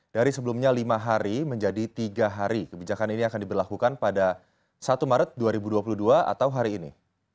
dari sebelumnya lima hari menjadi tiga hari kebijakan ini akan diberlakukan pada satu maret dua ribu dua puluh dua atau hari ini